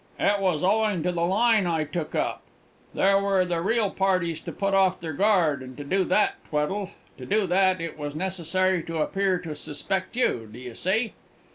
"It was owing to the line I took up. There were the real parties to put off their guard, and to do that, Tweddle to do that, it was necessary to appear to suspect you. D'ye see?"